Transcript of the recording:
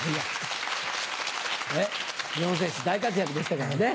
日本選手大活躍でしたからね。